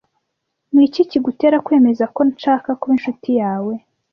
Ni iki kigutera kwemeza ko nshaka kuba inshuti yawe?